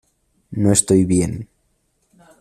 no estoy bien.